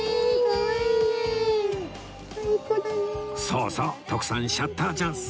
そうそう徳さんシャッターチャンス